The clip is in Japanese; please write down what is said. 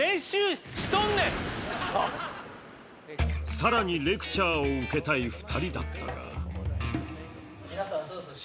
さらにレクチャーを受けたい２人だったが。